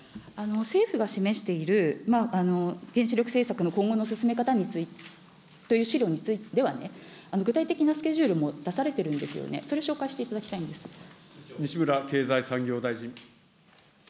政府が示している原子力政策の今後の進め方についてという資料では、具体的なスケジュールも出されているんですよね、それ、西村経済産業大臣。